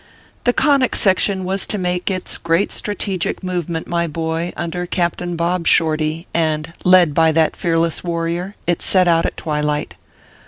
The Conic Section was to make its great strategic movement, my boy, under Captain Bob Shorty ; and, ORPHEUS C. KERR PAPERS. 257 led by that fearless warrior, it set out at twilight.